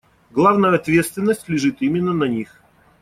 Главная ответственность лежит именно на них.